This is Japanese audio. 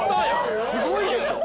すごいでしょう！？